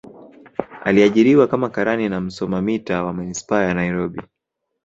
aliajiriwa kama karani na msoma mita wa manispaa ya nairobi